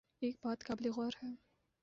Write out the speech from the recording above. ایک بات قابل غور ہے۔